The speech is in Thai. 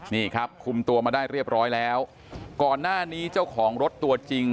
นี่ครับคุมตัวมาได้เรียบร้อยแล้วก่อนหน้านี้เจ้าของรถตัวจริง